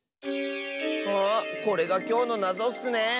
あこれがきょうのなぞッスね！